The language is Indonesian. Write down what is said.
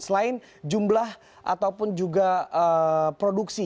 selain jumlah ataupun juga produksi